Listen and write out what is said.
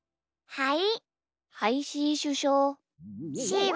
はい！